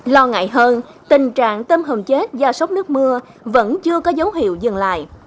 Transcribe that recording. lo ngại hơn tình trạng tôm hầm chết do sốc nước mưa vẫn chưa có dấu hiệu dừng lại